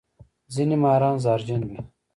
ځینې ماران زهرجن وي